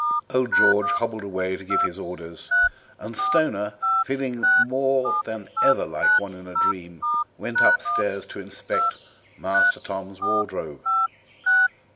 Old George hobbled away to give his orders, and Stoner, feeling more than ever like one in a dream, went upstairs to inspect "Master Tom's" wardrobe.